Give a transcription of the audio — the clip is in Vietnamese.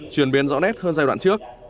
truyền biến rõ nét hơn giai đoạn trước